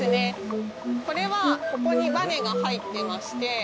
これはここにばねが入ってまして。